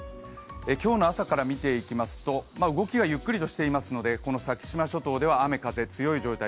今日の朝から見ていくと動きがゆっくりしているのでこの先島諸島では雨・風強い状態